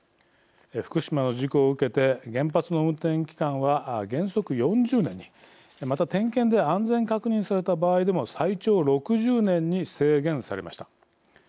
福島の事故を受けて原発の運転期間は原則４０年にまた、点検で安全確認された場合でも最長６０年に制限されました。